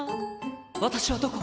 私はどこ？